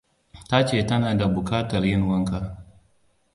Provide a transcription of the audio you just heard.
Ta ce tana da bukatar yin wanka.